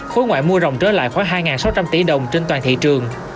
khối ngoại mua rộng trở lại khoảng hai sáu trăm linh tỷ đồng trên toàn thị trường